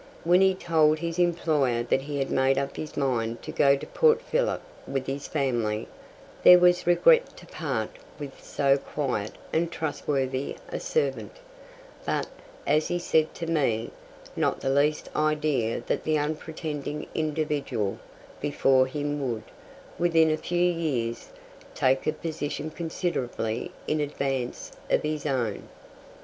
When he told his employer that he had made up his mind to go to Port Phillip with his family, there was regret to part with so quiet and trustworthy a servant, but, as he said to me, not the least idea that the unpretending individual before him would, within a few years, take a position considerably in advance of his own.